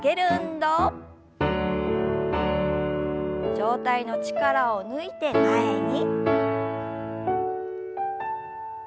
上体の力を抜いて前に。